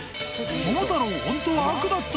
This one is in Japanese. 桃太郎、本当は悪だった？